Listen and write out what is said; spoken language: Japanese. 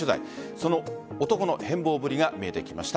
その男の変貌ぶりが見えてきました。